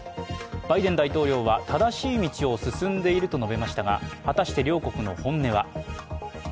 バイデン大統領は、正しい道を進んでいると述べましたが、果たして両国の本音は。